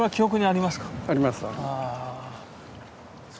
あります。